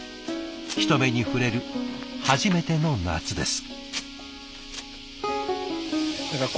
人目に触れる初めての夏です。